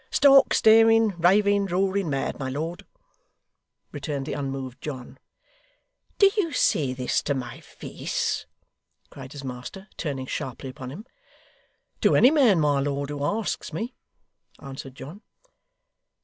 'Stark, staring, raving, roaring mad, my lord,' returned the unmoved John. 'Do you say this to my face?' cried his master, turning sharply upon him. 'To any man, my lord, who asks me,' answered John.